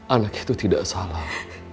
anak itu tidak salah